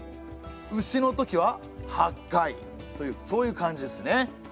「丑のとき」は８回というそういう感じですね。